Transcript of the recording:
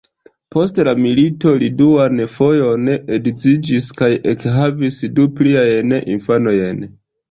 Post la milito li duan fojon edziĝis kaj ekhavis du pliajn infanojn.